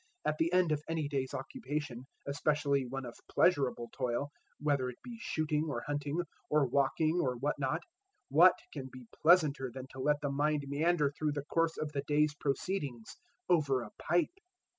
At the end of any day's occupation, especially one of pleasurable toil whether it be shooting or hunting, or walking or what not what can be pleasanter than to let the mind meander through the course of the day's proceedings over a pipe?